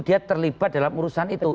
dia terlibat dalam urusan itu